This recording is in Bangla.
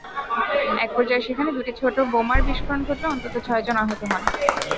একপর্যায়ে সেখানে দুটি ছোট বোমার বিস্ফোরণ ঘটলে অন্তত ছয়জন আহত হন।